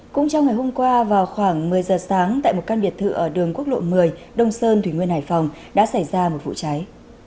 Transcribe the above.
cũng trong ngày hôm qua vào khoảng một mươi giờ sáng tại một căn biệt thự ở đường quốc lộ một mươi đông sơn thủy nguyên hải phòng đã xảy ra một vụ cháy